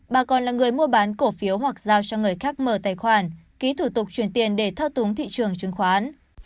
bà còn là người mua bán cổ phiếu hoặc giao cho người khác mở tài khoản ký thủ tục chuyển tiền để thao túng thị trường chứng khoán